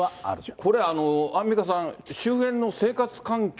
これ、アンミカさん、周辺の生活環境。